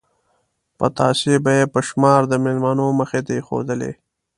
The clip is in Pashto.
پتاسې به یې په شمار د مېلمنو مخې ته ایښودلې.